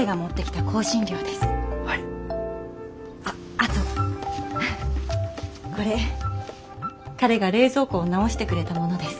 あとこれ彼が冷蔵庫を直してくれたものです。